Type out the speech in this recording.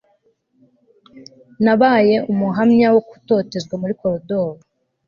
nabaye umuhamya wo gutotezwa muri koridor